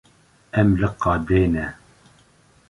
Em li qadê ne.